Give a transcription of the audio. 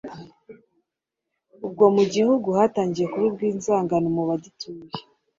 Ubwo mu gihugu hatangiye kubibwa inzangano mu bagituye,